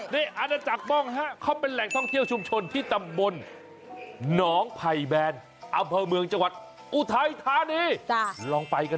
นี่อาณาจักรบ้องเขาเป็นแหล่งท่องเที่ยวชุมชนที่ตำบล